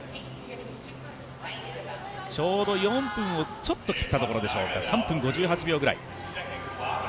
ちょうど４分をちょっと切ったところでしょうか３分５８秒ぐらい。